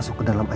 si buruk rupa